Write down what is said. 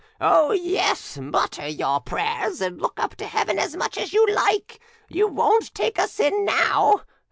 Oh yes, mutter your prayers and look up to heaven as much as you like, you won't take us in now.